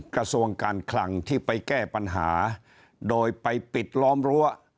กระทรวงการคลังที่ไปแก้ปัญหาโดยไปปิดล้อมรั้ว